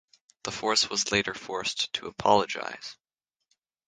The force was later forced to apologise.